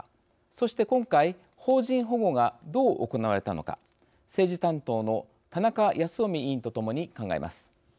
そして今回邦人保護がどう行われたのか政治担当の田中泰臣委員と共に考えます。